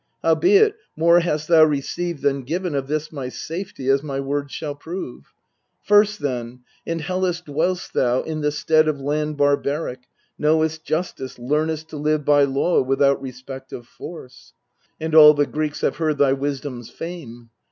Howbeit, more hast thou received than given Of this my safety, as my words shall prove : First, then, in Hellas dwell'st thou, in the stead Of land barbaric, knowest justice, learnest To live by law without respect of force. And all the Greeks have heard thy wisdom's fame.